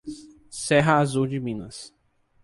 Serra Azul de Minas